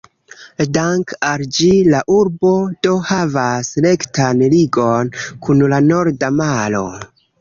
Dank'al ĝi la urbo do havas rektan ligon kun la Norda Maro.